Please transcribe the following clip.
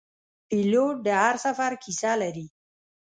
پیلوټ د هر سفر کیسه لري.